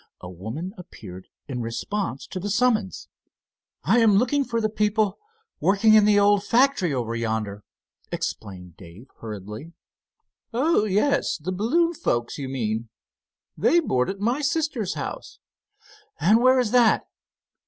A woman appeared in response to the summons. "I am looking for the people working in the old factory over yonder," explained Dave, hurriedly. "Oh, yes, the balloon folks, you mean? They board at my sister's house." "And where is that?"